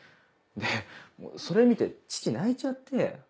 でそれ見て父泣いちゃって。